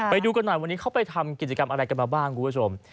ไปดูกันหน่อยวันนี้เขาไปทำกิจกรรมอะไรกันมาบ้างคุณผู้ชม